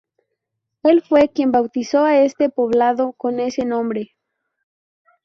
Él fue quien bautizó a este poblado con ese nombre.